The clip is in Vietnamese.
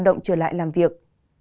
động trở lại làm việc